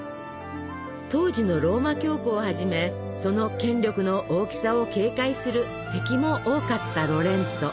当時のローマ教皇をはじめその権力の大きさを警戒する敵も多かったロレンツォ。